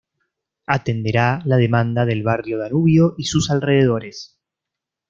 Atenderá la demanda del barrio Danubio y sus alrededores.